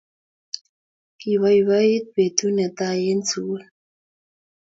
Kipoipoiti petut ne tai eng' sukul